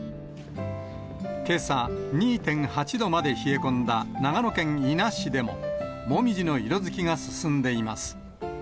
けさ、２．８度まで冷え込んだ長野県伊那市でも、モミジの色づきが進んでいます。